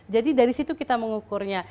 jadi dari situ kita mengukurnya